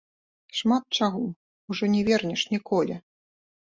Шмат чаго ужо не вернеш ніколі.